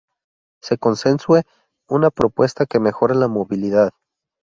se consensue una propuesta que mejore la movilidad